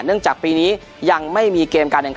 จากปีนี้ยังไม่มีเกมการแข่งขัน